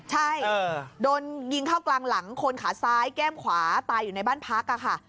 ใช่โดนยิงเข้ากลางหลังคนขาซ้ายแก้มขวาตายอยู่ในบ้านพักค่ะ